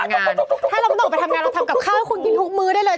ถ้าเราไม่ต้องออกไปทำงานเราทำกับข้าวให้คุณกินทุกมื้อได้เลย